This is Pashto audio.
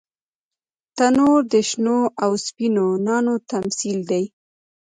تنور د شنو او سپینو نانو تمثیل دی